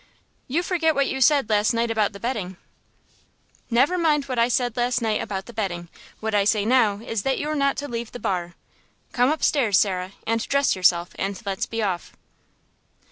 "You forget what you said last night about the betting." "Never mind what I said last night about the betting; what I say now is that you're not to leave the bar. Come upstairs, Sarah, and dress yourself, and let's be off."